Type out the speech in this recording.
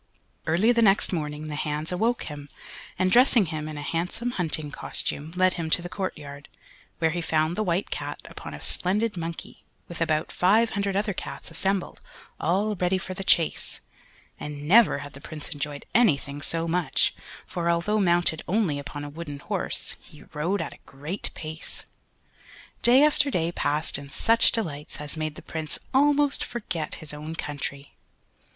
Early the next morning the hands awoke him, and dressing him in a handsome hunting costume, led him to the courtyard, where he found the White Cat upon a splendid monkey, with about five hundred other cats assembled, all ready for the chase; and never had the Prince enjoyed anything so much, for although mounted only upon a wooden horse, he rode at a great pace. Day after day passed in such delights as made the Prince almost forget his own country.